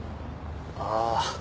ああ。